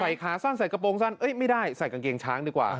ขาสั้นใส่กระโปรงสั้นไม่ได้ใส่กางเกงช้างดีกว่า